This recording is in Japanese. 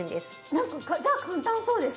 何かじゃあ簡単そうです